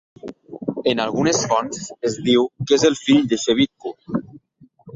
En algunes fonts es diu que és el fill de Shebitku.